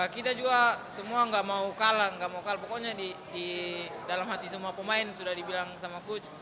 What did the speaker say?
kita juga semua gak mau kalah pokoknya dalam hati semua pemain sudah dibilang sama coach